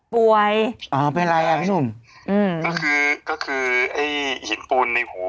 ก็คือให้หินปูนในหู